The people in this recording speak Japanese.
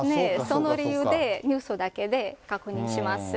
その理由で、ニュースだけで確認します。